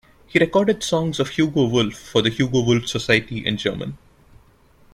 He recorded songs of Hugo Wolf for the Hugo Wolf Society in German.